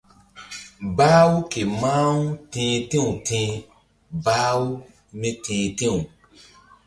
Bah-u ke mah-u ti̧h ti̧w ti̧h bah-u míti̧h ti̧w.